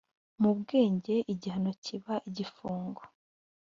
mu bwenge igihano kiba igifungo